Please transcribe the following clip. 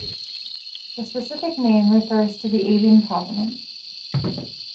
The specific name refers to the Asian provenance.